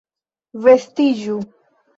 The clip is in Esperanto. Vestiĝu!